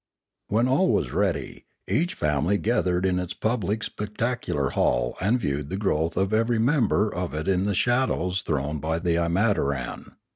When all was ready, each family gathered in its public spectacular hall and viewed the growth of every member of it in the shadows thrown by the imataran.